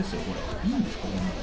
いいんですか？